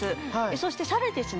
そしてさらにですね